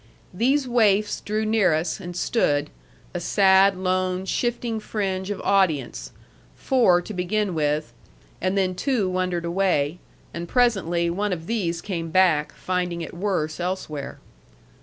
These waifs drew near us, and stood, a sad, lone, shifting fringe of audience; four to begin with; and then two wandered away; and presently one of these came back, finding it worse elsewhere.